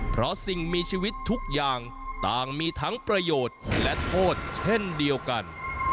เพราะสิ่งมีชีวิตทุกอย่างต่างมีทั้งประโยชน์และโทษเช่นเดียวกัน